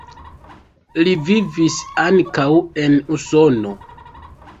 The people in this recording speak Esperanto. Li vivis ankaŭ en Usono.